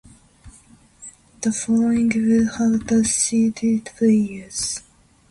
The following would have the seeded players.